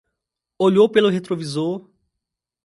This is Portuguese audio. Olhou pelo retrovisor